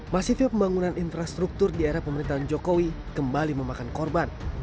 masifnya pembangunan infrastruktur di era pemerintahan jokowi kembali memakan korban